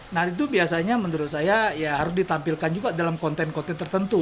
nah itu biasanya menurut saya ya harus ditampilkan juga dalam konten konten tertentu